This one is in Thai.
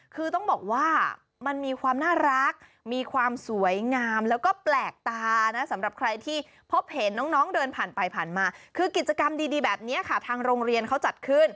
คือต้องบอกว่ามันมีความน่ารักมีความสวยงามแล้วก็แปลกตานะสำหรับใครที่พบเห็นน้องเดินผ่านไปผ่านมาคือกิจกรรมดีแบบนี้ค่ะทางโรงเรียนเขาจัดขึ้น